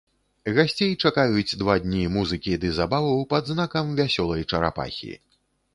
Гасцей чакаюць два дні музыкі ды забаваў пад знакам вясёлай чарапахі.